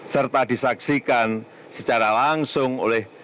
serta disaksikan secara langsung oleh